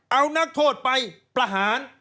เอานักโทษไปประหาร